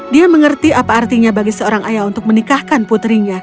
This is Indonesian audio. dia mengerti apa artinya bagi seorang ayah untuk menikahkan putrinya